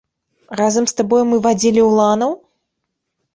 Разам з табою мы вадзілі уланаў?